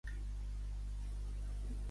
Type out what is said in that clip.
Va néixer a Sevilla.